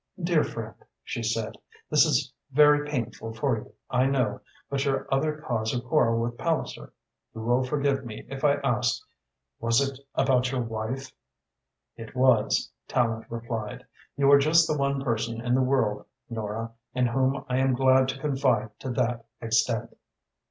"Dear friend," she said, "this is very painful for you, I know, but your other cause of quarrel with Palliser you will forgive me if I ask was it about your wife?" "It was," Tallente replied. "You are just the one person in the world, Nora, in whom I am glad to confide to that extent."